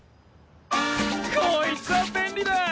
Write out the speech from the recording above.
こいつは便利だ！